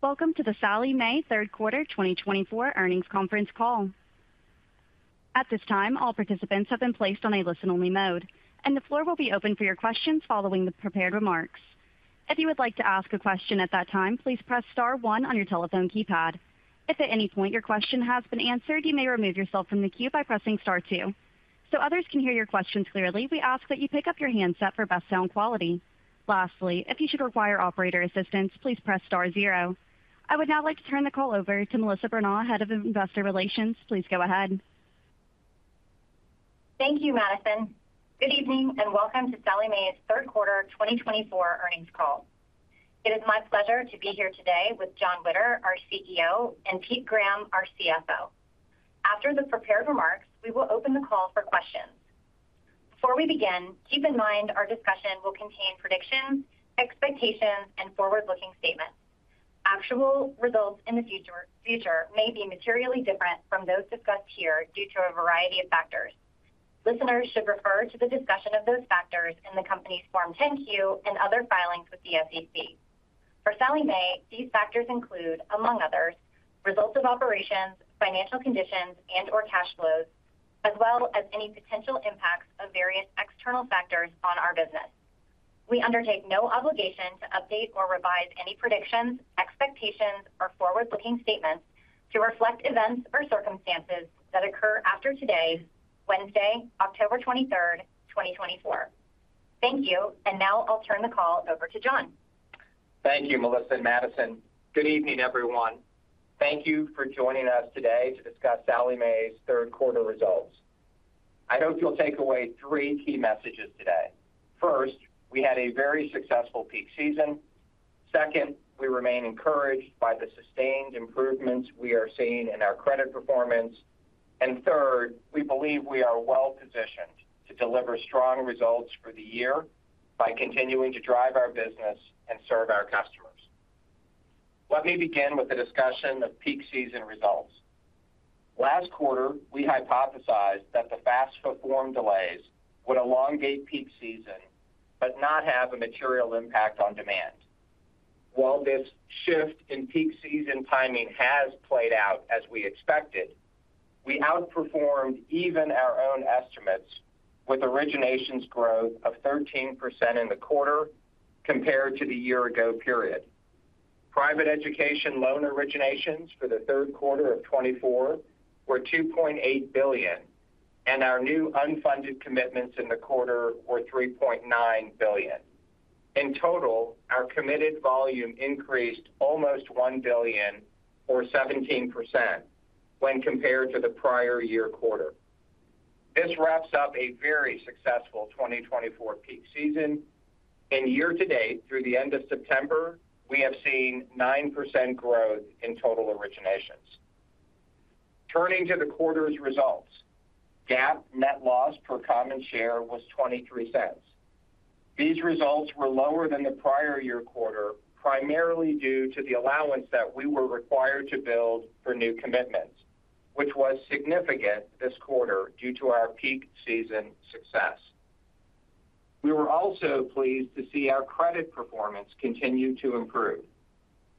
Welcome to the Sallie Mae Third Quarter 2024 Earnings Conference Call. At this time, all participants have been placed on a listen-only mode, and the floor will be open for your questions following the prepared remarks. If you would like to ask a question at that time, please press star one on your telephone keypad. If at any point your question has been answered, you may remove yourself from the queue by pressing star two. So others can hear your questions clearly, we ask that you pick up your handset for best sound quality. Lastly, if you should require operator assistance, please press star zero. I would now like to turn the call over to Melissa Bronaugh, Head of Investor Relations. Please go ahead. Thank you, Madison. Good evening, and welcome to Sallie Mae's third quarter twenty twenty-four earnings call. It is my pleasure to be here today with Jon Witter, our CEO, and Pete Graham, our CFO. After the prepared remarks, we will open the call for questions. Before we begin, keep in mind our discussion will contain predictions, expectations, and forward-looking statements. Actual results in the future may be materially different from those discussed here due to a variety of factors. Listeners should refer to the discussion of those factors in the company's Form 10-Q and other filings with the SEC. For Sallie Mae, these factors include, among others, results of operations, financial conditions, and/or cash flows, as well as any potential impacts of various external factors on our business. We undertake no obligation to update or revise any predictions, expectations, or forward-looking statements to reflect events or circumstances that occur after today, Wednesday, October twenty-third, twenty twenty-four. Thank you, and now I'll turn the call over to John. Thank you, Melissa and Madison. Good evening, everyone. Thank you for joining us today to discuss Sallie Mae's third quarter results. I hope you'll take away three key messages today. First, we had a very successful peak season. Second, we remain encouraged by the sustained improvements we are seeing in our credit performance. And third, we believe we are well positioned to deliver strong results for the year by continuing to drive our business and serve our customers. Let me begin with a discussion of peak season results. Last quarter, we hypothesized that the FAFSA form delays would elongate peak season but not have a material impact on demand. While this shift in peak season timing has played out as we expected, we outperformed even our own estimates, with originations growth of 13% in the quarter compared to the year ago period. Private Education Loan originations for the third quarter of 2024 were $2.8 billion, and our new unfunded commitments in the quarter were $3.9 billion. In total, our committed volume increased almost $1 billion or 17% when compared to the prior year quarter. This wraps up a very successful 2024 peak season, and year to date, through the end of September, we have seen 9% growth in total originations. Turning to the quarter's results, GAAP net loss per common share was $0.23. These results were lower than the prior year quarter, primarily due to the allowance that we were required to build for new commitments, which was significant this quarter due to our peak season success. We were also pleased to see our credit performance continue to improve.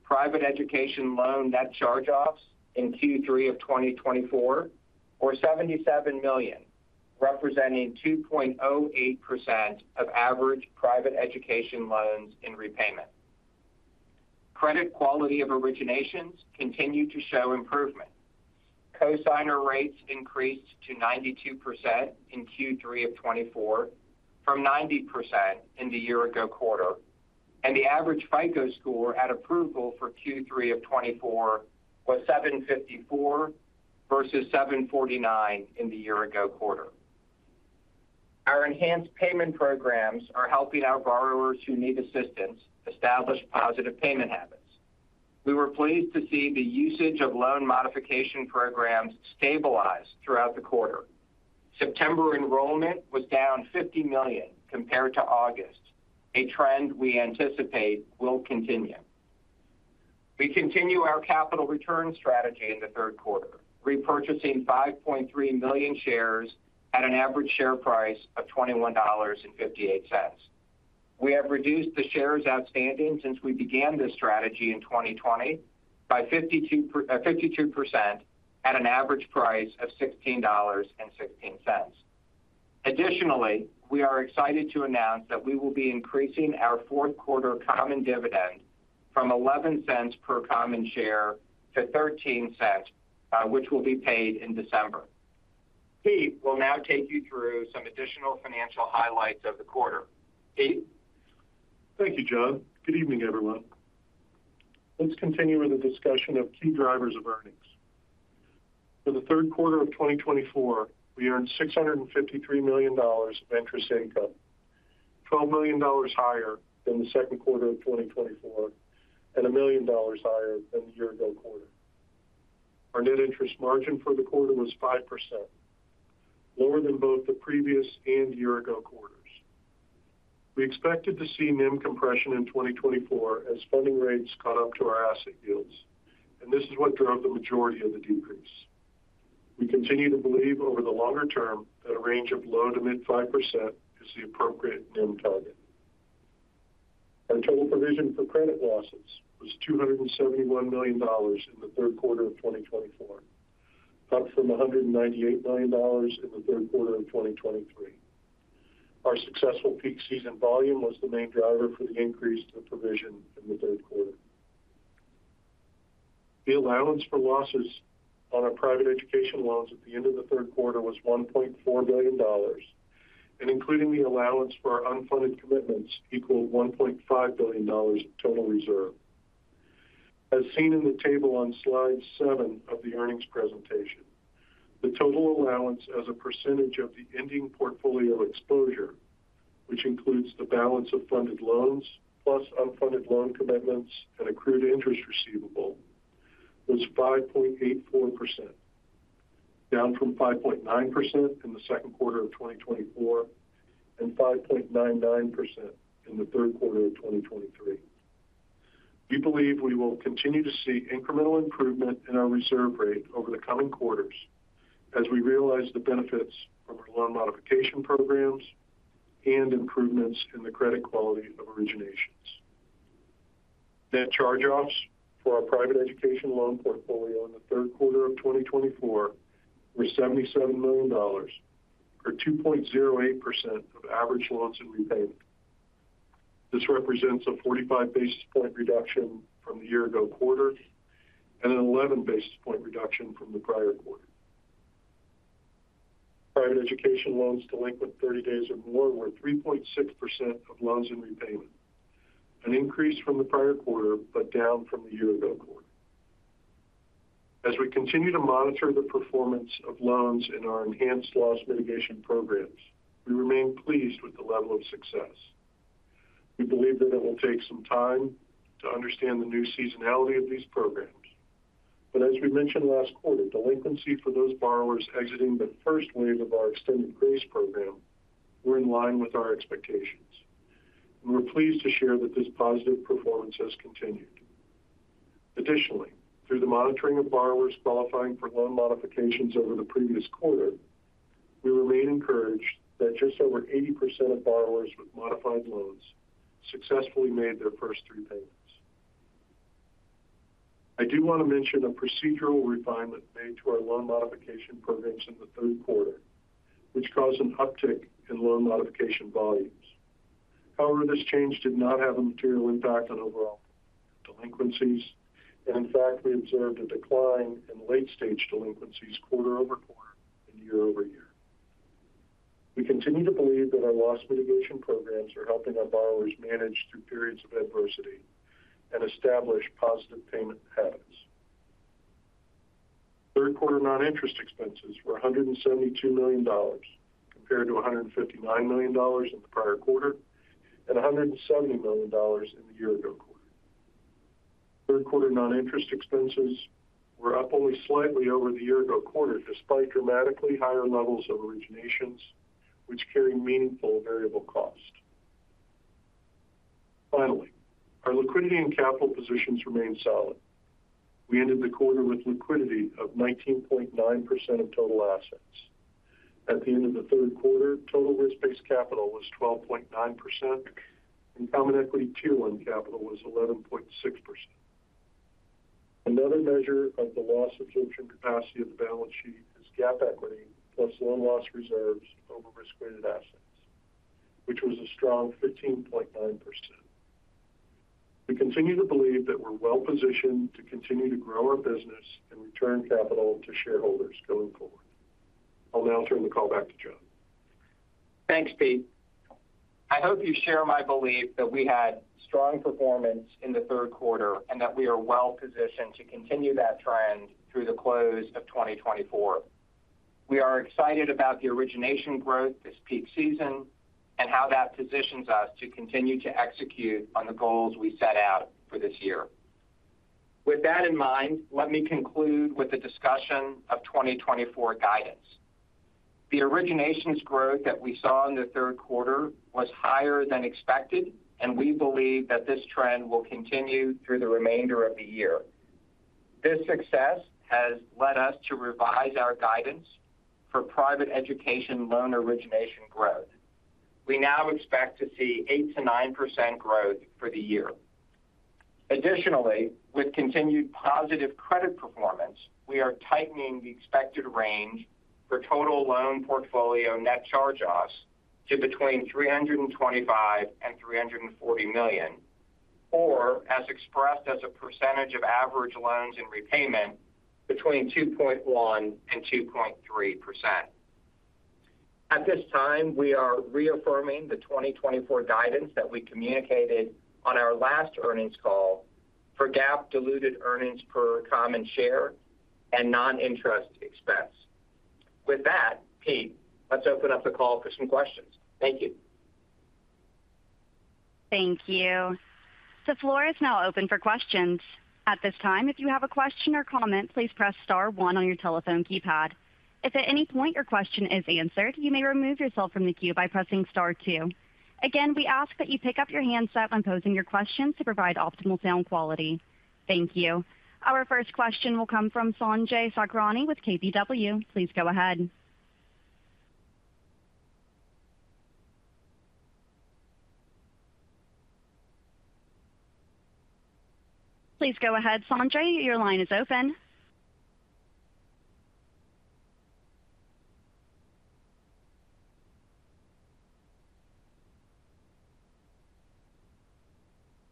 Private education loan net charge-offs in Q3 of 2024 were $77 million, representing 2.08% of average private education loans in repayment. Credit quality of originations continued to show improvement. Cosigner rates increased to 92% in Q3 of 2024, from 90% in the year ago quarter, and the average FICO score at approval for Q3 of 2024 was 754 versus 749 in the year ago quarter. Our enhanced payment programs are helping our borrowers who need assistance establish positive payment habits. We were pleased to see the usage of loan modification programs stabilize throughout the quarter. September enrollment was down 50 million compared to August, a trend we anticipate will continue. We continue our capital return strategy in the third quarter, repurchasing 5.3 million shares at an average share price of $21.58. We have reduced the shares outstanding since we began this strategy in 2020 by 52% at an average price of $16.16. Additionally, we are excited to announce that we will be increasing our fourth quarter common dividend from $0.11 per common share to $0.13, which will be paid in December. Pete will now take you through some additional financial highlights of the quarter. Pete? Thank you, John. Good evening, everyone. Let's continue with the discussion of key drivers of earnings. For the third quarter of 2024, we earned $653 million of interest income, $12 million higher than the second quarter of 2024, and $1 million higher than the year ago quarter. Our net interest margin for the quarter was 5%, lower than both the previous and year ago quarters. We expected to see NIM compression in 2024 as funding rates caught up to our asset yields, and this is what drove the majority of the decrease. We continue to believe over the longer term that a range of low- to mid-5% is the appropriate NIM target. Our total provision for credit losses was $271 million in the third quarter of 2024, up from $198 million in the third quarter of 2023. Our successful peak season volume was the main driver for the increase in provision in the third quarter. The allowance for losses on our private education loans at the end of the third quarter was $1.4 billion, and including the allowance for our unfunded commitments, equaled $1.5 billion in total reserve. As seen in the table on slide seven of the earnings presentation, the total allowance as a percentage of the ending portfolio exposure, which includes the balance of funded loans plus unfunded loan commitments and accrued interest receivable, was 5.84%, down from 5.9% in the second quarter of 2024, and 5.99% in the third quarter of 2023. We believe we will continue to see incremental improvement in our reserve rate over the coming quarters as we realize the benefits from our loan modification programs and improvements in the credit quality of originations. Net charge-offs for our private education loan portfolio in the third quarter of 2024 were $77 million, or 2.08% of average loans in repayment. This represents a 45 basis point reduction from the year-ago quarter and an 11 basis point reduction from the prior quarter. Private education loans delinquent 30 days or more were 3.6% of loans in repayment, an increase from the prior quarter, but down from the year-ago quarter. As we continue to monitor the performance of loans in our enhanced loss mitigation programs, we remain pleased with the level of success. We believe that it will take some time to understand the new seasonality of these programs. But as we mentioned last quarter, delinquency for those borrowers exiting the first wave of our extended grace program were in line with our expectations, and we're pleased to share that this positive performance has continued. Additionally, through the monitoring of borrowers qualifying for loan modifications over the previous quarter, we remain encouraged that just over 80% of borrowers with modified loans successfully made their first three payments. I do want to mention a procedural refinement made to our loan modification programs in the third quarter, which caused an uptick in loan modification volumes. However, this change did not have a material impact on overall delinquencies, and in fact, we observed a decline in late-stage delinquencies quarter over quarter and year over year. We continue to believe that our loss mitigation programs are helping our borrowers manage through periods of adversity and establish positive payment habits. Third quarter non-interest expenses were $172 million, compared to $159 million in the prior quarter, and $170 million in the year-ago quarter. Third quarter non-interest expenses were up only slightly over the year-ago quarter, despite dramatically higher levels of originations, which carry meaningful variable cost. Finally, our liquidity and capital positions remain solid. We ended the quarter with liquidity of 19.9% of total assets. At the end of the third quarter, total risk-based capital was 12.9%, and common equity tier one capital was 11.6%. Another measure of the loss absorption capacity of the balance sheet is GAAP equity, plus loan loss reserves over risk-weighted assets, which was a strong 15.9%. We continue to believe that we're well-positioned to continue to grow our business and return capital to shareholders going forward. I'll now turn the call back to John. Thanks, Pete. I hope you share my belief that we had strong performance in the third quarter, and that we are well-positioned to continue that trend through the close of twenty twenty-four. We are excited about the origination growth this peak season and how that positions us to continue to execute on the goals we set out for this year. With that in mind, let me conclude with a discussion of twenty twenty-four guidance. The originations growth that we saw in the third quarter was higher than expected, and we believe that this trend will continue through the remainder of the year. This success has led us to revise our guidance for private education loan origination growth. We now expect to see 8%-9% growth for the year. Additionally, with continued positive credit performance, we are tightening the expected range for total loan portfolio net charge-offs to between $325 million and $340 million, or as expressed as a percentage of average loans in repayment, between 2.1% and 2.3%. At this time, we are reaffirming the 2024 guidance that we communicated on our last earnings call for GAAP diluted earnings per common share and non-interest expense. With that, Pete, let's open up the call for some questions. Thank you. Thank you. The floor is now open for questions. At this time, if you have a question or comment, please press star one on your telephone keypad. If at any point your question is answered, you may remove yourself from the queue by pressing star two. Again, we ask that you pick up your handset when posing your questions to provide optimal sound quality. Thank you. Our first question will come from Sanjay Sakrani with KBW. Please go ahead. Please go ahead, Sanjay. Your line is open.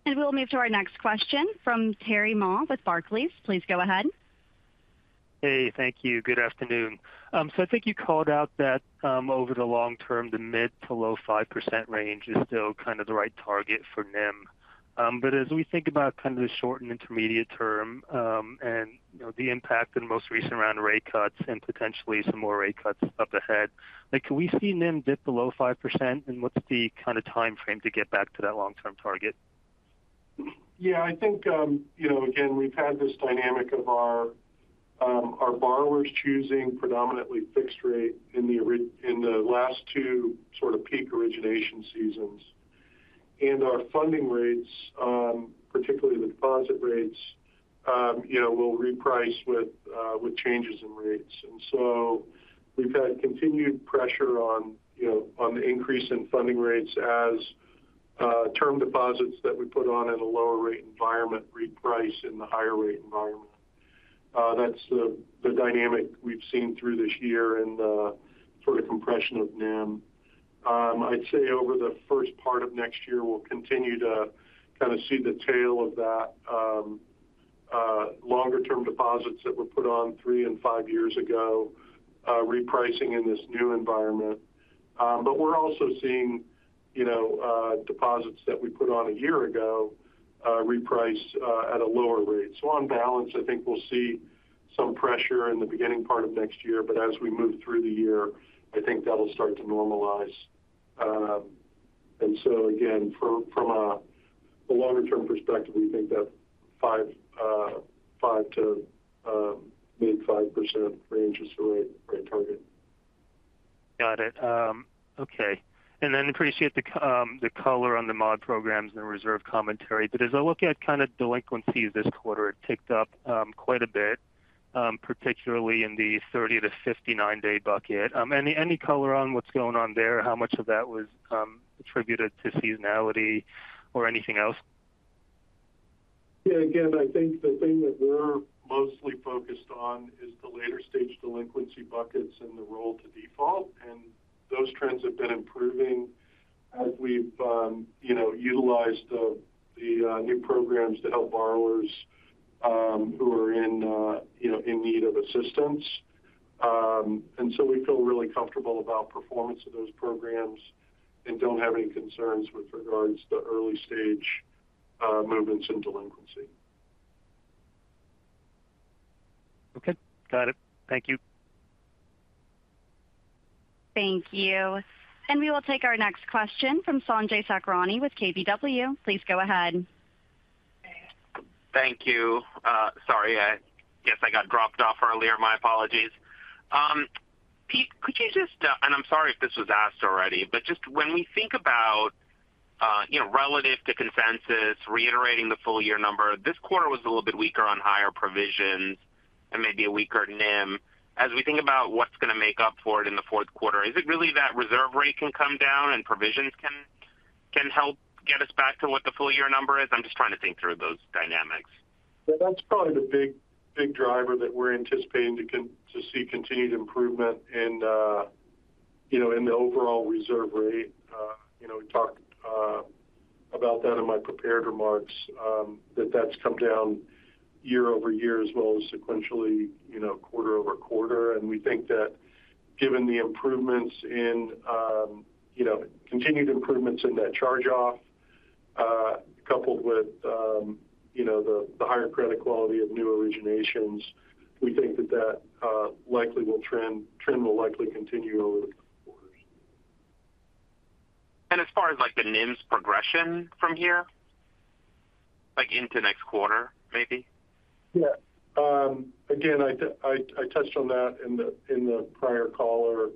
And we'll move to our next question from Terry Ma with Barclays. Please go ahead. Hey, thank you. Good afternoon. So I think you called out that, over the long term, the mid- to low-5% range is still kind of the right target for NIM. But as we think about kind of the short and intermediate term, and, you know, the impact in the most recent round of rate cuts and potentially some more rate cuts up ahead, like, can we see NIM dip below 5%? And what's the kind of timeframe to get back to that long-term target? Yeah, I think, you know, again, we've had this dynamic of our borrowers choosing predominantly fixed rate in the origination in the last two sort of peak origination seasons. And our funding rates, particularly the deposit rates, you know, will reprice with changes in rates. And so we've had continued pressure on, you know, on the increase in funding rates as term deposits that we put on at a lower rate environment reprice in the higher rate environment. That's the dynamic we've seen through this year and sort of compression of NIM. I'd say over the first part of next year, we'll continue to kind of see the tail of that, longer-term deposits that were put on three and five years ago, repricing in this new environment. But we're also seeing, you know, deposits that we put on a year ago reprice at a lower rate. So on balance, I think we'll see some pressure in the beginning part of next year, but as we move through the year, I think that'll start to normalize. And so again, from a longer-term perspective, we think that 5% to mid-5% range is the rate target. Got it. Okay. And then appreciate the color on the mod programs and the reserve commentary. But as I look at kind of delinquencies this quarter, it ticked up quite a bit, particularly in the thirty to fifty-nine day bucket. Any color on what's going on there? How much of that was attributed to seasonality or anything else? Yeah, again, I think the thing that we're mostly focused on is the later stage delinquency buckets and the roll to default, and those trends have been improving as we've, you know, utilized the new programs to help borrowers, who are in, you know, in need of assistance. And so we feel really comfortable about performance of those programs and don't have any concerns with regards to early stage movements and delinquency. Okay. Got it. Thank you. Thank you. And we will take our next question from Sanjay Sakrani with KBW. Please go ahead. Thank you. Sorry, I guess I got dropped off earlier. My apologies. Pete, could you just, and I'm sorry if this was asked already, but just when we think about, you know, relative to consensus, reiterating the full year number, this quarter was a little bit weaker on higher provisions and maybe a weaker NIM. As we think about what's going to make up for it in the fourth quarter, is it really that reserve rate can come down and provisions can help get us back to what the full year number is? I'm just trying to think through those dynamics. Yeah, that's probably the big, big driver that we're anticipating to see continued improvement in, you know, in the overall reserve rate. You know, we talked about that in my prepared remarks, that that's come down year over year as well as sequentially, you know, quarter over quarter. And we think that given the improvements in, you know, continued improvements in that charge-off, coupled with, you know, the, the higher credit quality of new originations, we think that that likely will trend will likely continue over the next quarters. And as far as, like, the NIM's progression from here, like, into next quarter, maybe? Yeah. Again, I touched on that in the prior call or,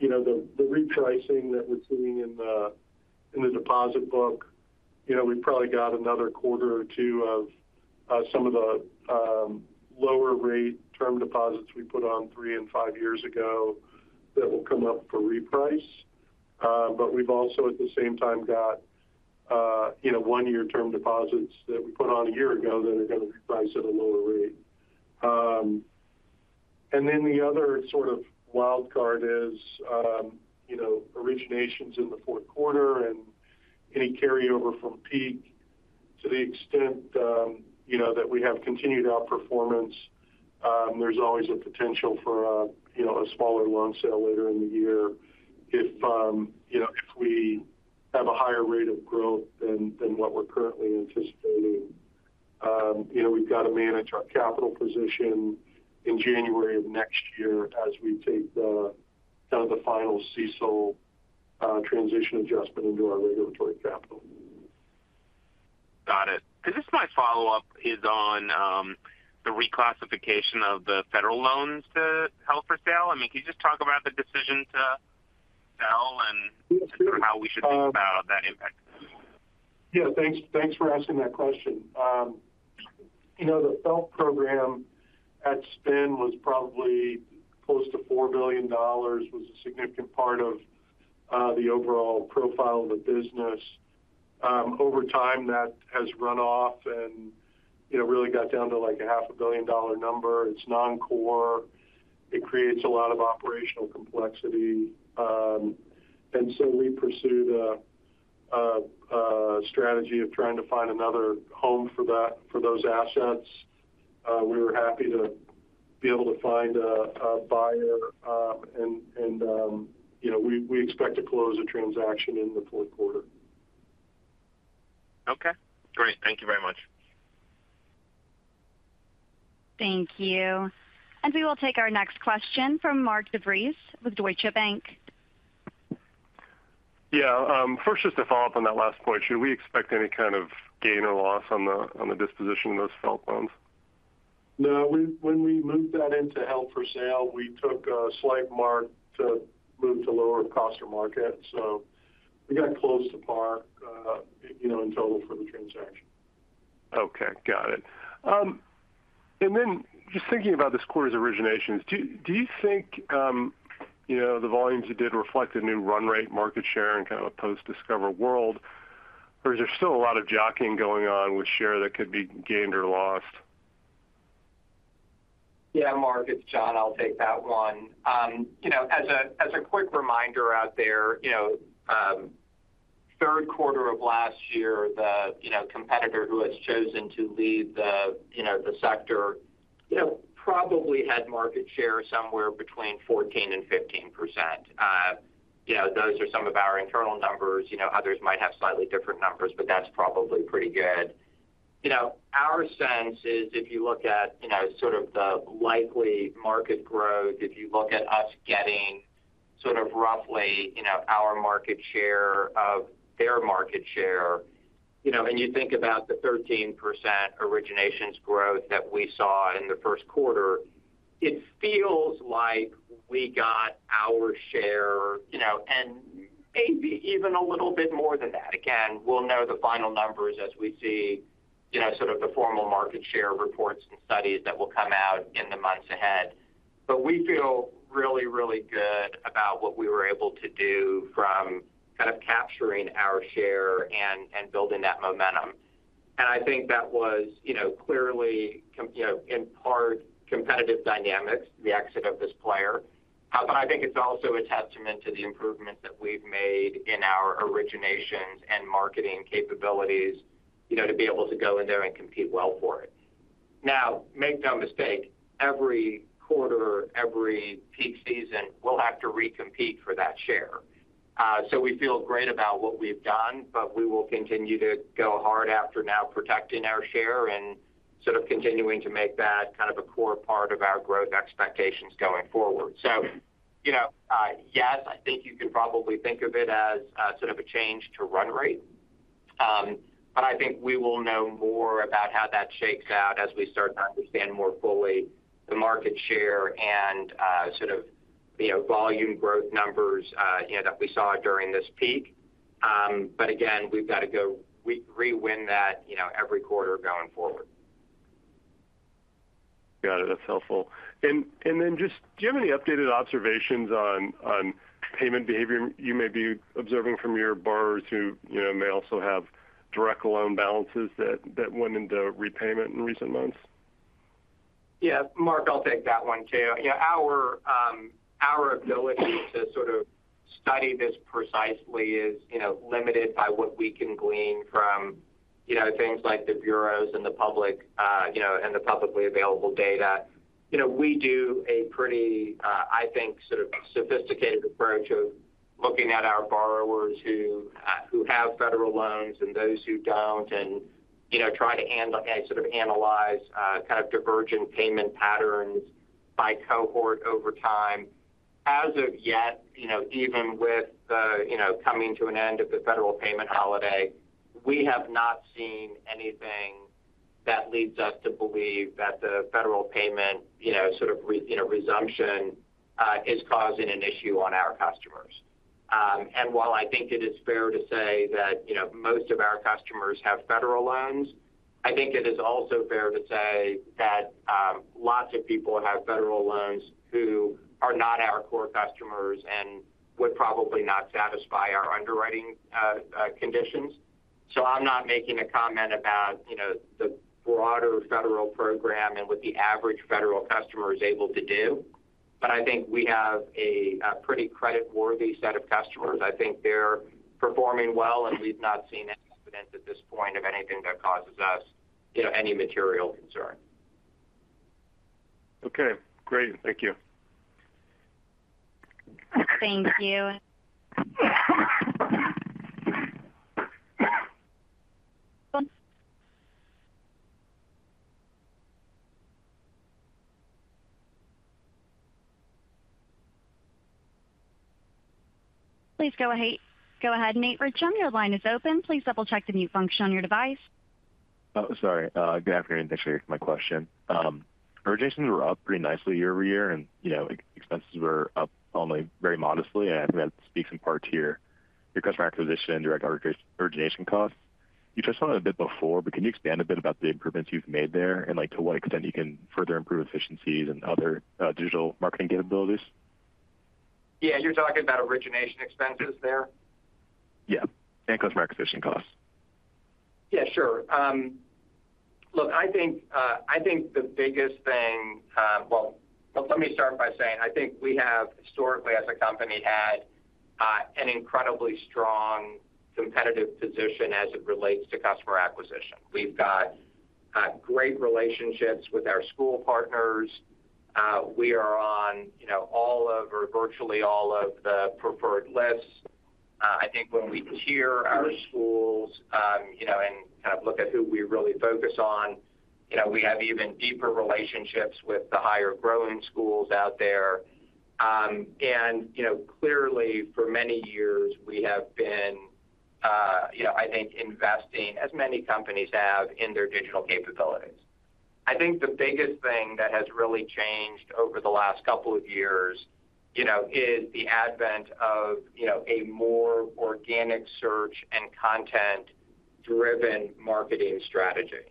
you know, the repricing that we're seeing in the deposit book. You know, we've probably got another quarter or two of lower rate term deposits we put on three and five years ago that will come up for reprice. But we've also, at the same time, got you know, one-year term deposits that we put on a year ago that are going to reprice at a lower rate. And then the other sort of wild card is, you know, originations in the fourth quarter and any carryover from peak. To the extent, you know, that we have continued outperformance, there's always a potential for a, you know, a smaller loan sale later in the year. If, you know, if we have a higher rate of growth than what we're currently anticipating, you know, we've got to manage our capital position in January of next year as we take the kind of the final CECL transition adjustment into our regulatory capital. Got it. Can I just, my follow-up is on the reclassification of the federal loans to held for sale. I mean, can you just talk about the decision to sell and- Sure... how we should think about that?... Yeah, thanks, thanks for asking that question. You know, the FFELP program at spin was probably close to $4 billion, was a significant part of the overall profile of the business. Over time, that has run off and, you know, really got down to, like, $500 million. It's non-core. It creates a lot of operational complexity. And so we pursued a strategy of trying to find another home for that- for those assets. We were happy to be able to find a buyer, and, you know, we expect to close a transaction in the fourth quarter. Okay, great. Thank you very much. Thank you. And we will take our next question from Mark DeVries with Deutsche Bank. Yeah, first, just to follow up on that last point, should we expect any kind of gain or loss on the disposition of those FFELP loans? No, when we moved that into held for sale, we took a slight mark to move to lower of cost or market, so we got close to par, you know, in total for the transaction. Okay, got it, and then just thinking about this quarter's originations, do you think, you know, the volumes you did reflect a new run rate market share in kind of a post-Discover world? Or is there still a lot of jockeying going on with share that could be gained or lost? Yeah, Mark, it's John. I'll take that one. You know, as a quick reminder out there, you know, third quarter of last year, the, you know, competitor who has chosen to leave the, you know, the sector, you know, probably had market share somewhere between 14% and 15%. You know, those are some of our internal numbers. You know, others might have slightly different numbers, but that's probably pretty good. You know, our sense is if you look at, you know, sort of the likely market growth, if you look at us getting sort of roughly, you know, our market share of their market share, you know, and you think about the 13% originations growth that we saw in the first quarter, it feels like we got our share, you know, and maybe even a little bit more than that. Again, we'll know the final numbers as we see, you know, sort of the formal market share reports and studies that will come out in the months ahead. But we feel really, really good about what we were able to do from kind of capturing our share and building that momentum. And I think that was, you know, clearly, you know, in part, competitive dynamics, the exit of this player. But I think it's also a testament to the improvements that we've made in our originations and marketing capabilities, you know, to be able to go in there and compete well for it. Now, make no mistake, every quarter, every peak season, we'll have to recompete for that share. So we feel great about what we've done, but we will continue to go hard after now protecting our share and sort of continuing to make that kind of a core part of our growth expectations going forward. So, you know, yes, I think you can probably think of it as, sort of a change to run rate. But I think we will know more about how that shakes out as we start to understand more fully the market share and, sort of, you know, volume growth numbers, you know, that we saw during this peak. But again, we've got to go rewin that, you know, every quarter going forward. Got it. That's helpful. And then just, do you have any updated observations on payment behavior you may be observing from your borrowers who, you know, may also have direct loan balances that went into repayment in recent months? Yeah, Mark, I'll take that one, too. Yeah, our ability to sort of study this precisely is, you know, limited by what we can glean from, you know, things like the bureaus and the public, you know, and the publicly available data. You know, we do a pretty, I think, sort of sophisticated approach of looking at our borrowers who have federal loans and those who don't, and, you know, try to sort of analyze kind of divergent payment patterns by cohort over time. As of yet, you know, even with the, you know, coming to an end of the federal payment holiday, we have not seen anything that leads us to believe that the federal payment, you know, sort of resumption, is causing an issue on our customers. And while I think it is fair to say that, you know, most of our customers have federal loans, I think it is also fair to say that, lots of people have federal loans who are not our core customers and would probably not satisfy our underwriting, conditions. So I'm not making a comment about, you know, the broader federal program and what the average federal customer is able to do, but I think we have a, pretty creditworthy set of customers. I think they're performing well, and we've not seen any evidence at this point of anything that causes us, you know, any material concern. Okay, great. Thank you. Thank you. Please go ahead. Go ahead, Nate Richmond, your line is open. Please double-check the mute function on your device.... Oh, sorry. Good afternoon. Thanks for taking my question. Originations were up pretty nicely year over year, and, you know, like, expenses were up only very modestly, and I think that speaks in part to your customer acquisition and direct origination costs. You touched on it a bit before, but can you expand a bit about the improvements you've made there, and, like, to what extent you can further improve efficiencies and other digital marketing capabilities? Yeah, you're talking about origination expenses there? Yeah, and customer acquisition costs. Yeah, sure. Look, I think the biggest thing, well, let me start by saying I think we have historically, as a company, had an incredibly strong competitive position as it relates to customer acquisition. We've got great relationships with our school partners. We are on, you know, all of or virtually all of the preferred lists. I think when we tier our schools, you know, and kind of look at who we really focus on, you know, we have even deeper relationships with the higher growing schools out there. And, you know, clearly, for many years we have been, you know, I think investing, as many companies have, in their digital capabilities. I think the biggest thing that has really changed over the last couple of years, you know, is the advent of, you know, a more organic search and content-driven marketing strategy.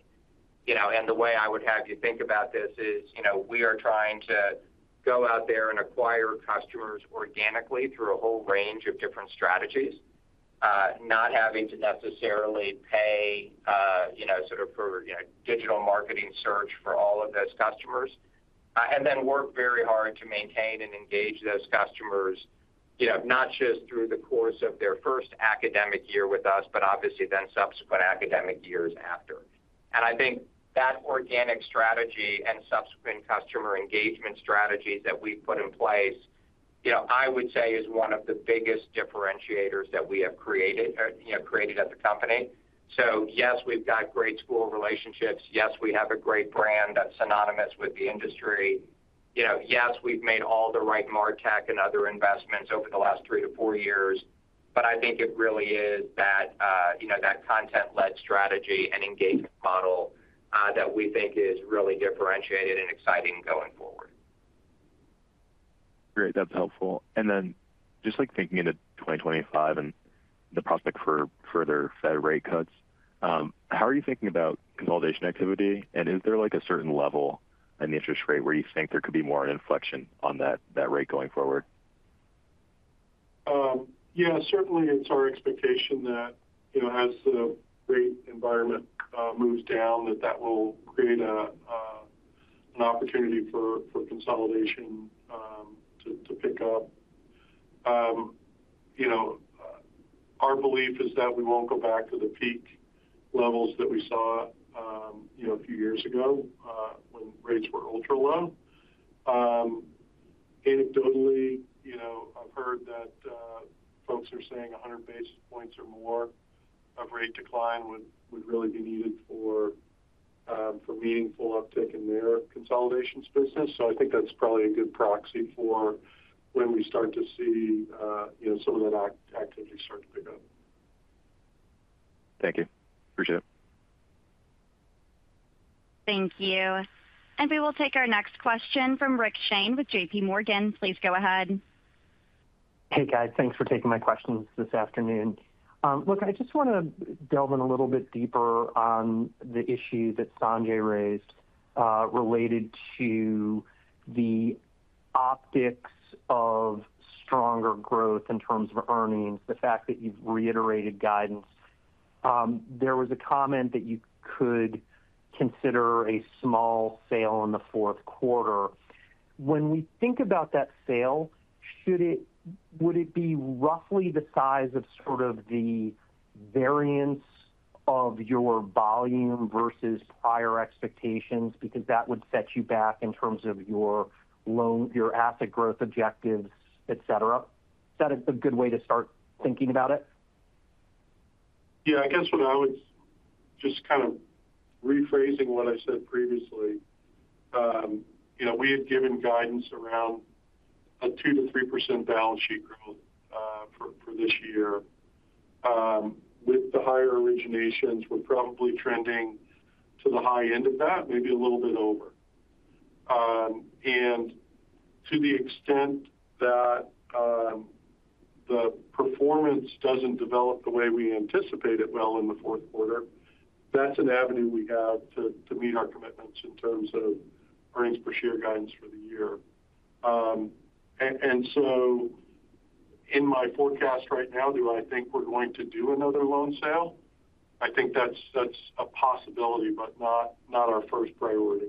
You know, and the way I would have you think about this is, you know, we are trying to go out there and acquire customers organically through a whole range of different strategies. Not having to necessarily pay, you know, sort of for, you know, digital marketing search for all of those customers. And then work very hard to maintain and engage those customers, you know, not just through the course of their first academic year with us, but obviously then subsequent academic years after. I think that organic strategy and subsequent customer engagement strategies that we've put in place, you know, I would say is one of the biggest differentiators that we have created, or, you know, created as a company. So yes, we've got great school relationships. Yes, we have a great brand that's synonymous with the industry. You know, yes, we've made all the right martech and other investments over the last three to four years, but I think it really is that, you know, that content-led strategy and engagement model, that we think is really differentiated and exciting going forward. Great, that's helpful. And then just, like, thinking into twenty twenty-five and the prospect for further Fed rate cuts, how are you thinking about consolidation activity? And is there, like, a certain level in the interest rate where you think there could be more of an inflection on that rate going forward? Yeah, certainly it's our expectation that, you know, as the rate environment moves down, that that will create an opportunity for consolidation to pick up. You know, our belief is that we won't go back to the peak levels that we saw, you know, a few years ago, when rates were ultra low. Anecdotally, you know, I've heard that folks are saying a hundred basis points or more of rate decline would really be needed for meaningful uptick in their consolidations business. So I think that's probably a good proxy for when we start to see, you know, some of that activity start to pick up. Thank you. Appreciate it. Thank you. And we will take our next question from Rick Shane with J.P. Morgan. Please go ahead. Hey, guys. Thanks for taking my questions this afternoon. Look, I just wanna delve in a little bit deeper on the issue that Sanjay raised, related to the optics of stronger growth in terms of earnings, the fact that you've reiterated guidance. There was a comment that you could consider a small sale in the fourth quarter. When we think about that sale, would it be roughly the size of sort of the variance of your volume versus prior expectations? Because that would set you back in terms of your loan, your asset growth objectives, et cetera. Is that a good way to start thinking about it? Yeah, I guess what I was just kind of rephrasing what I said previously. You know, we had given guidance around 2%-3% balance sheet growth for this year. With the higher originations, we're probably trending to the high end of that, maybe a little bit over. And to the extent that the performance doesn't develop the way we anticipate it will in the fourth quarter, that's an avenue we have to meet our commitments in terms of earnings per share guidance for the year. And so in my forecast right now, do I think we're going to do another loan sale? I think that's a possibility, but not our first priority.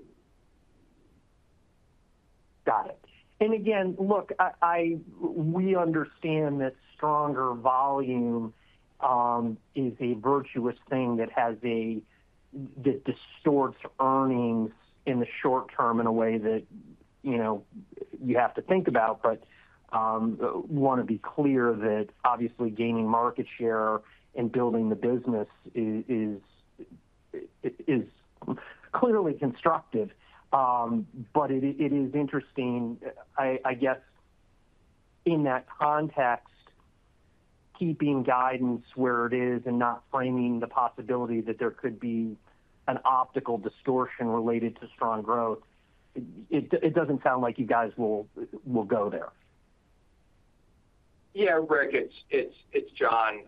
Got it. And again, look, we understand that stronger volume is a virtuous thing that distorts earnings in the short term in a way that, you know, you have to think about. But we wanna be clear that obviously gaining market share and building the business is clearly constructive. But it is interesting, I guess in that context, keeping guidance where it is and not framing the possibility that there could be an optical distortion related to strong growth. It doesn't sound like you guys will go there. Yeah, Rick, it's John.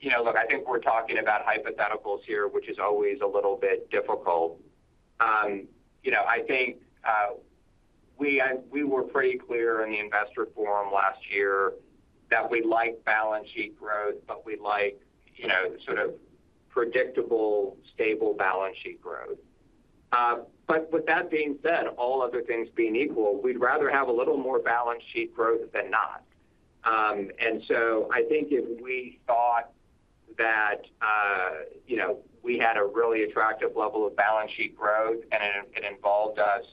You know, look, I think we're talking about hypotheticals here, which is always a little bit difficult. You know, I think we were pretty clear in the investor forum last year that we like balance sheet growth, but we like, you know, the sort of predictable, stable balance sheet growth. But with that being said, all other things being equal, we'd rather have a little more balance sheet growth than not. And so I think if we thought that, you know, we had a really attractive level of balance sheet growth and it involved us,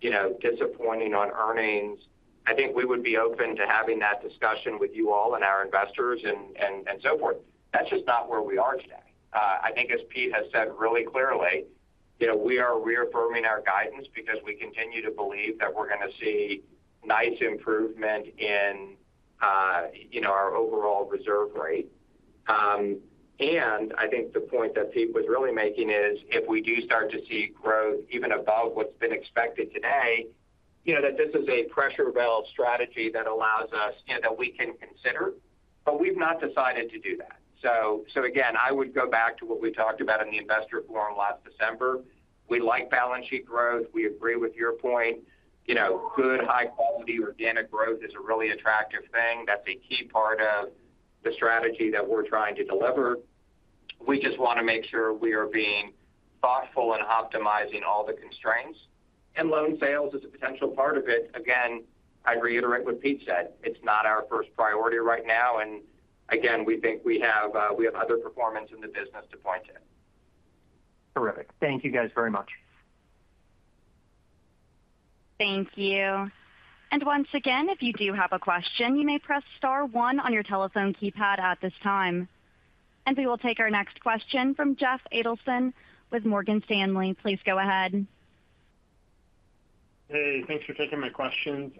you know, disappointing on earnings, I think we would be open to having that discussion with you all and our investors and so forth. That's just not where we are today. I think as Pete has said really clearly, you know, we are reaffirming our guidance because we continue to believe that we're going to see nice improvement in, you know, our overall reserve rate. I think the point that Pete was really making is, if we do start to see growth even above what's been expected today, you know, that this is a pressure valve strategy that allows us, you know, that we can consider, but we've not decided to do that. So again, I would go back to what we talked about in the investor forum last December. We like balance sheet growth. We agree with your point. You know, good, high quality, organic growth is a really attractive thing. That's a key part of the strategy that we're trying to deliver. We just want to make sure we are being thoughtful in optimizing all the constraints, and loan sales is a potential part of it. Again, I'd reiterate what Pete said, it's not our first priority right now, and again, we think we have other performance in the business to point to. Terrific. Thank you guys very much. Thank you, and once again, if you do have a question, you may press star one on your telephone keypad at this time, and we will take our next question from Jeff Adelson with Morgan Stanley. Please go ahead. Hey, thanks for taking my questions.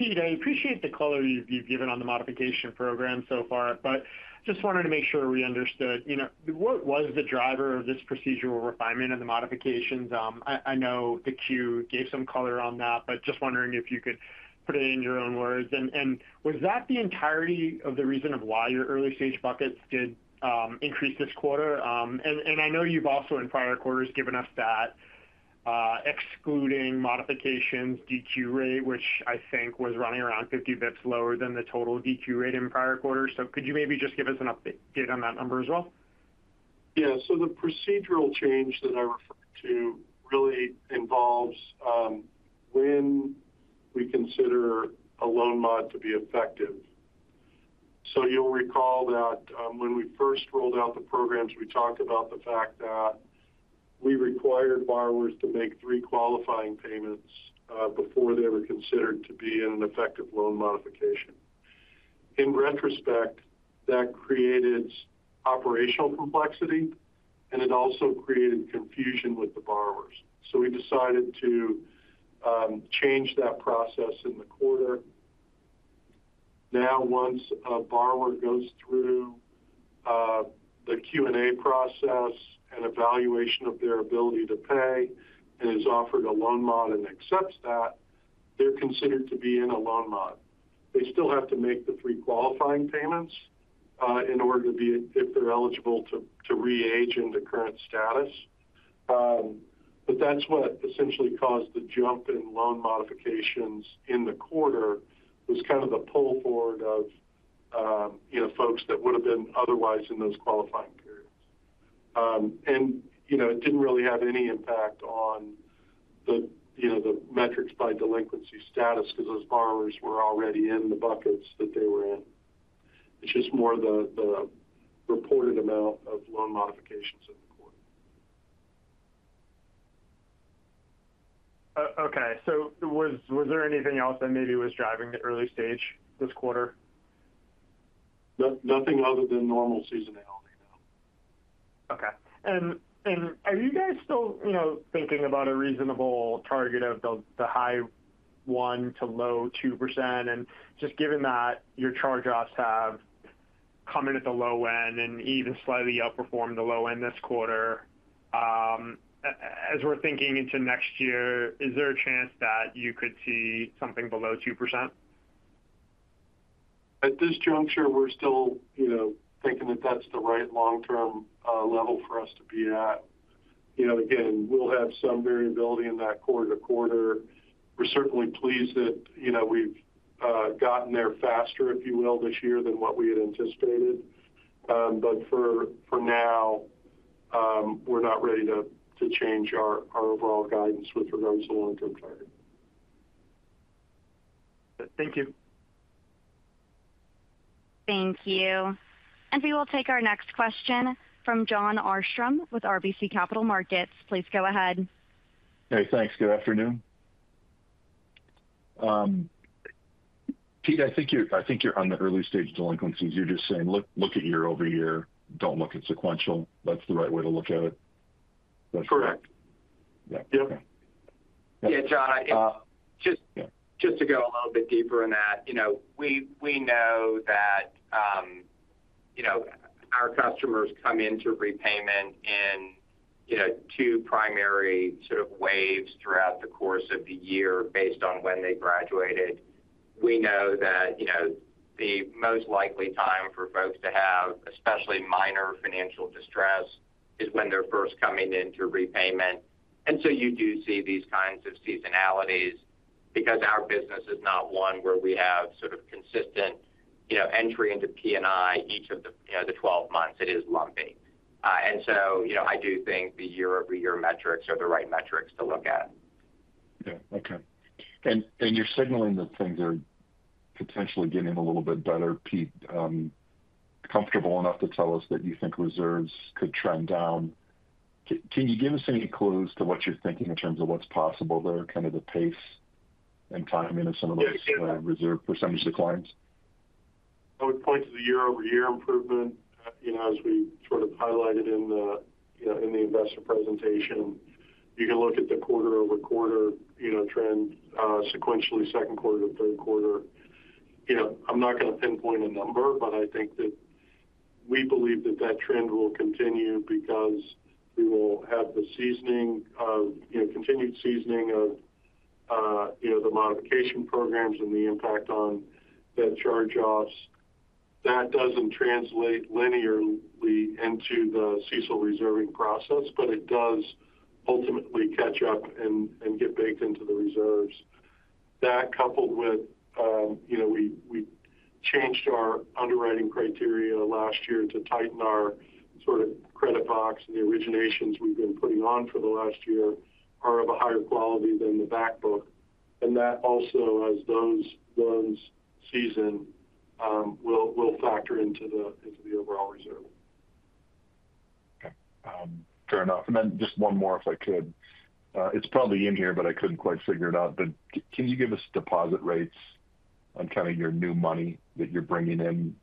Pete, I appreciate the color you've given on the modification program so far, but just wanted to make sure we understood. You know, what was the driver of this procedural refinement of the modifications? I know the Q gave some color on that, but just wondering if you could put it in your own words. And was that the entirety of the reason why your early-stage buckets did increase this quarter? And I know you've also in prior quarters given us that excluding modifications DQ rate, which I think was running around 50 basis points lower than the total DQ rate in prior quarters. So could you maybe just give us an update on that number as well? Yeah. So the procedural change that I referred to really involves, when we consider a loan mod to be effective. So you'll recall that, when we first rolled out the programs, we talked about the fact that we required borrowers to make three qualifying payments, before they were considered to be in an effective loan modification. In retrospect, that created operational complexity, and it also created confusion with the borrowers. So we decided to, change that process in the quarter. Now, once a borrower goes through, the Q&A process and evaluation of their ability to pay, and is offered a loan mod and accepts that, they're considered to be in a loan mod. They still have to make the three qualifying payments, in order to be re-aged into current status if they're eligible to. But that's what essentially caused the jump in loan modifications in the quarter, was kind of the pull forward of, you know, folks that would have been otherwise in those qualifying periods. And, you know, it didn't really have any impact on the, you know, the metrics by delinquency status, because those borrowers were already in the buckets that they were in. It's just more the reported amount of loan modifications in the quarter. Okay. So was there anything else that maybe was driving the early stage this quarter? Nothing other than normal seasonality now. Okay. And are you guys still, you know, thinking about a reasonable target of the high 1%-low 2%? And just given that your charge-offs have come in at the low end and even slightly outperformed the low end this quarter, as we're thinking into next year, is there a chance that you could see something below 2%? At this juncture, we're still, you know, thinking that that's the right long-term level for us to be at. You know, again, we'll have some variability in that quarter to quarter. We're certainly pleased that, you know, we've gotten there faster, if you will, this year than what we had anticipated. But for now, we're not ready to change our overall guidance with regards to long-term target. Thank you. Thank you. And we will take our next question from Jon Arfstrom with RBC Capital Markets. Please go ahead. Hey, thanks. Good afternoon. Pete, I think you're on the early stage of delinquencies. You're just saying, "Look, look at year over year. Don't look at sequential." That's the right way to look at it? Correct. Yeah. Yep.... Yeah, John, I just to go a little bit deeper on that, you know, we know that our customers come into repayment in, you know, two primary sort of waves throughout the course of the year based on when they graduated. We know that, you know, the most likely time for folks to have especially minor financial distress is when they're first coming into repayment. And so you do see these kinds of seasonalities because our business is not one where we have sort of consistent, you know, entry into P&I each of the, you know, the twelve months. It is lumpy, and so, you know, I do think the year-over-year metrics are the right metrics to look at. Yeah. Okay. And you're signaling that things are potentially getting a little bit better. Pete, comfortable enough to tell us that you think reserves could trend down? Can you give us any clues to what you're thinking in terms of what's possible there, kind of the pace and timing of some of those- Yes - reserve percentage declines? I would point to the year-over-year improvement. You know, as we sort of highlighted in the, you know, in the investor presentation. You can look at the quarter-over-quarter, you know, trend, sequentially, second quarter to third quarter. You know, I'm not going to pinpoint a number, but I think that we believe that that trend will continue because we will have the seasoning of, you know, continued seasoning of, you know, the modification programs and the impact on the charge-offs. That doesn't translate linearly into the CECL reserving process, but it does ultimately catch up and get baked into the reserves. That, coupled with, you know, we changed our underwriting criteria last year to tighten our sort of credit box, and the originations we've been putting on for the last year are of a higher quality than the back book. And that also, as those loans season, will factor into the overall reserve. Okay. Fair enough. And then just one more, if I could. It's probably in here, but I couldn't quite figure it out. But can you give us deposit rates on kind of your new money that you're bringing in,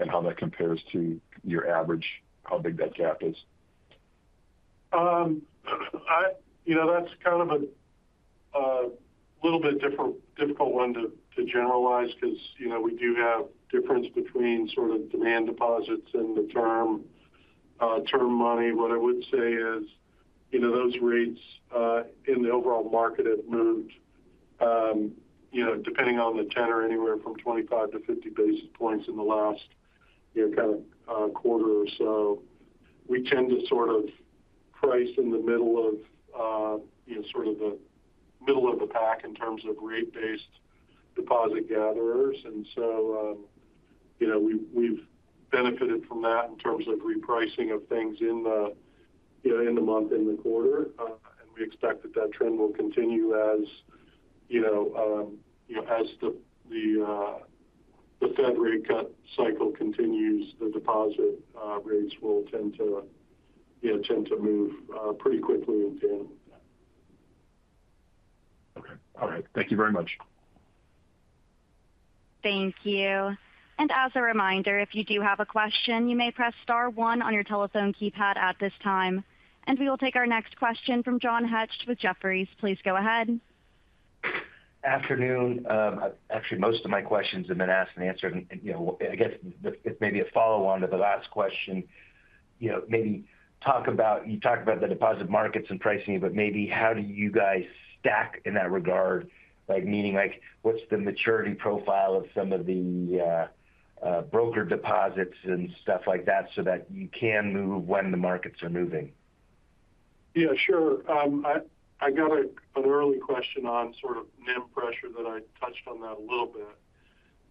and how that compares to your average? How big that gap is? You know, that's kind of a little bit difficult one to generalize because, you know, we do have difference between sort of demand deposits and the term money. What I would say is, you know, those rates in the overall market have moved, you know, depending on the tenor, anywhere from 25-50 basis points in the last, you know, kind of quarter or so. We tend to sort of price in the middle of, you know, sort of the middle of the pack in terms of rate-based deposit gatherers. And so, you know, we've benefited from that in terms of repricing of things in the, you know, in the month, in the quarter. And we expect that that trend will continue as you know as the Fed rate cut cycle continues, the deposit rates will tend to you know move pretty quickly indeed. Okay. All right. Thank you very much. Thank you. And as a reminder, if you do have a question, you may press star one on your telephone keypad at this time. And we will take our next question from John Hecht with Jefferies. Please go ahead. Afternoon. Actually, most of my questions have been asked and answered, and you know, I guess it's maybe a follow-on to the last question. You know, maybe talk about, you talked about the deposit markets and pricing, but maybe how do you guys stack in that regard? Like, meaning, like, what's the maturity profile of some of the broker deposits and stuff like that, so that you can move when the markets are moving? Yeah, sure. I got an early question on sort of NIM pressure that I touched on that a little bit.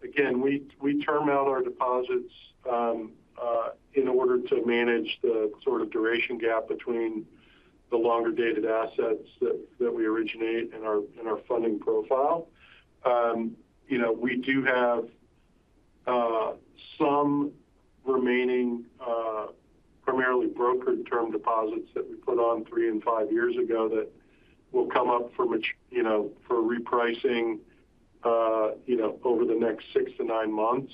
Again, we term out our deposits in order to manage the sort of duration gap between the longer-dated assets that we originate and our funding profile. You know, we do have some remaining primarily brokered term deposits that we put on three and five years ago that will come up for repricing over the next six to nine months.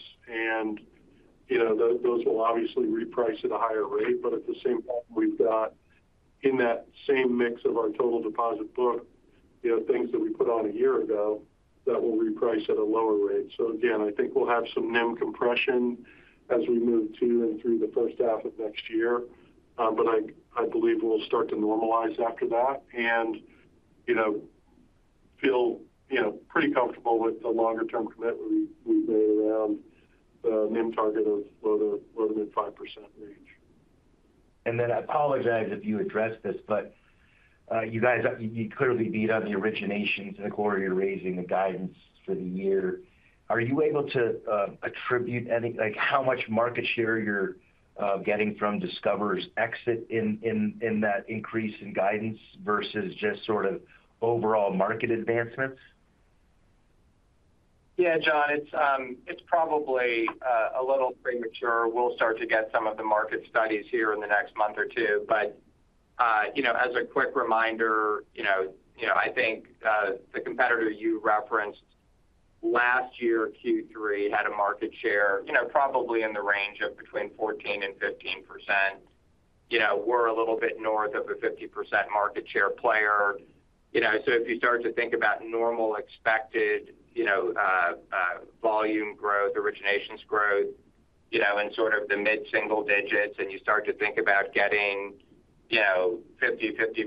You know, those will obviously reprice at a higher rate, but at the same time, we've got in that same mix of our total deposit book you know, things that we put on a year ago that will reprice at a lower rate. So again, I think we'll have some NIM compression as we move to and through the first half of next year. But I believe we'll start to normalize after that and, you know, feel, you know, pretty comfortable with the longer-term commitment we've made around the NIM target of lower than 5% range. I apologize if you addressed this, but you guys, you clearly beat on the originations in the quarter. You're raising the guidance for the year. Are you able to attribute any, like, how much market share you're getting from Discover's exit in that increase in guidance versus just sort of overall market advancements? Yeah, John, it's probably a little premature. We'll start to get some of the market studies here in the next month or two. But, you know, as a quick reminder, you know, I think the competitor you referenced last year, Q3 had a market share, you know, probably in the range of between 14% and 15%. You know, we're a little bit north of a 50% market share player. You know, so if you start to think about normal expected, you know, volume growth, originations growth, you know, in sort of the mid-single digits, and you start to think about getting, you know, 50-55%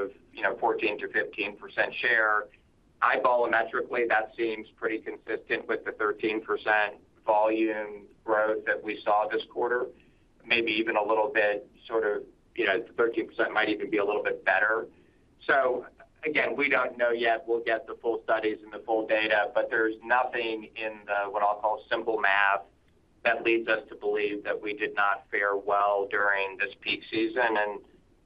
of, you know, 14%-15% share. Eyeball metrically, that seems pretty consistent with the 13% volume growth that we saw this quarter. Maybe even a little bit sort of, you know, the 13% might even be a little bit better. So again, we don't know yet. We'll get the full studies and the full data, but there's nothing in the, what I'll call simple math, that leads us to believe that we did not fare well during this peak season. And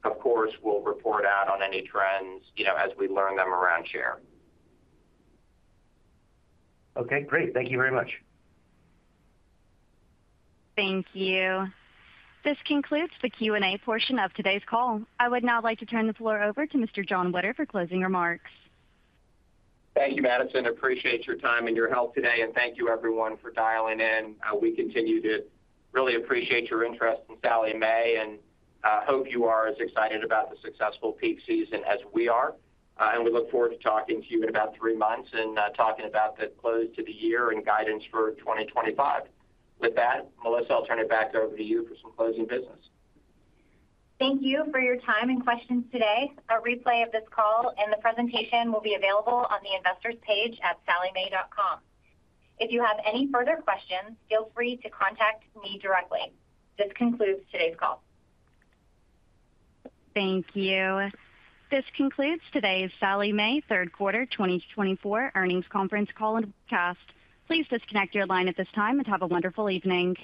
of course, we'll report out on any trends, you know, as we learn them around share. Okay, great. Thank you very much. Thank you. This concludes the Q&A portion of today's call. I would now like to turn the floor over to Mr. John Witter for closing remarks. Thank you, Madison. Appreciate your time and your help today, and thank you everyone for dialing in. We continue to really appreciate your interest in Sallie Mae, and hope you are as excited about the successful peak season as we are. And we look forward to talking to you in about three months and talking about the close to the year and guidance for twenty twenty-five. With that, Melissa, I'll turn it back over to you for some closing business. Thank you for your time and questions today. A replay of this call and the presentation will be available on the investors page at salliemae.com. If you have any further questions, feel free to contact me directly. This concludes today's call. Thank you. This concludes today's Sallie Mae third quarter twenty twenty-four earnings conference call and broadcast. Please disconnect your line at this time and have a wonderful evening.